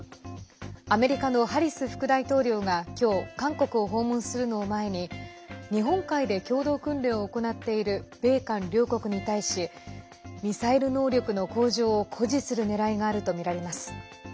アメリカのハリス副大統領が今日韓国を訪問するのを前に日本海で共同訓練を行っている米韓両国に対しミサイル能力の向上を誇示する狙いがあるとみられます。